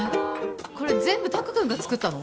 これ全部拓くんが作ったの？